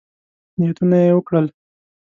نیتونه یې وکړل.